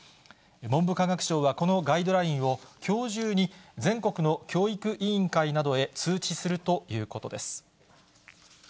文部科学省はこのガイドラインを、きょう中に全国の教育委員会などへ通知するということです。